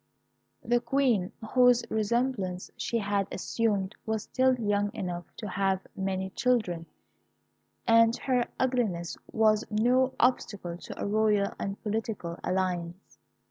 The Queen, whose resemblance she had assumed, was still young enough to have many children, and her ugliness was no obstacle to a royal and political alliance.